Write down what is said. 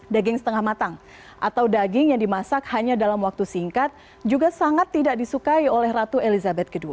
daging setengah matang atau daging yang dimasak hanya dalam waktu singkat juga sangat tidak disukai oleh ratu elizabeth ii